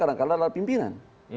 kadang kadang adalah pimpinan